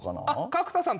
角田さん